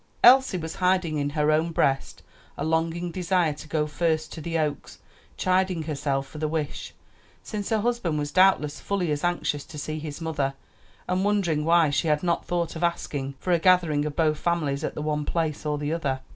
Elsie was hiding in her own breast a longing desire to go first to the Oaks, chiding herself for the wish, since her husband was doubtless fully as anxious to see his mother, and wondering why she had not thought of asking for a gathering of both families at the one place or the other.